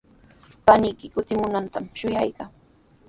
Paniyki kutimunantami shuyaykaa.